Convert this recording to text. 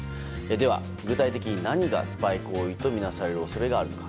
では、具体的に何がスパイ行為とみなされる恐れがあるのか。